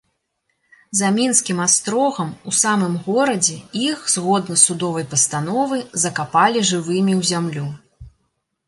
За мінскім астрогам, у самым горадзе, іх, згодна судовай пастановы, закапалі жывымі ў зямлю.